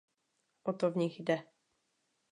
O to v nich jde.